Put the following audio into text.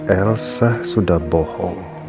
elsa sudah berhenti